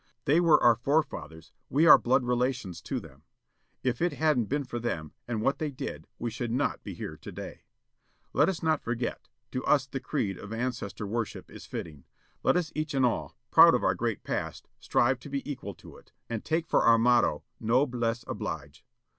They were our forefathers, we are blood relations to them. If it hadn't been for them, and what they did, we should not be here today. Let us not forget, â to us the creed of Ancestor worship is fitting. Let us each and all, proud of our M# great past, strive to be equal to it; and take for our motto Nob ^^^^^M^ lesse oblioe.